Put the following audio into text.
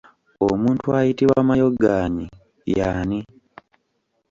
Omuntu ayitibwa mayogaanyi y'ani?